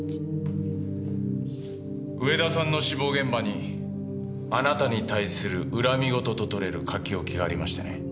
上田さんの死亡現場にあなたに対する恨み言ととれる書き置きがありましてね。